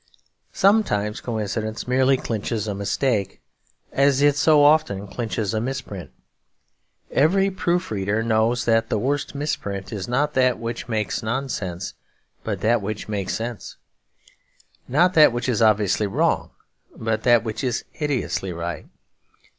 Sometimes coincidence merely clinches a mistake, as it so often clinches a misprint. Every proof reader knows that the worst misprint is not that which makes nonsense but that which makes sense; not that which is obviously wrong but that which is hideously right.